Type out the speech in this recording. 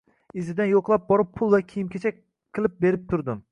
Izidan yo`qlab borib, pul va kiyim-kechak qilib berib turdim